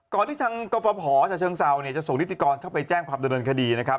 ก่อนที่ทางกฟศเชิงเศร้าจะส่งนิติกรเข้าไปแจ้งความเดินเรินคดีนะครับ